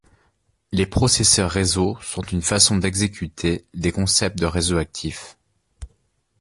Les processeurs réseau sont une façon d’exécuter des concepts de réseau actif.